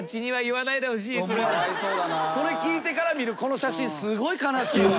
それ聞いてから見るこの写真すごい悲しいわ。